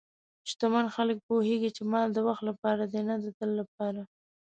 شتمن خلک پوهېږي چې مال د وخت لپاره دی، نه د تل لپاره.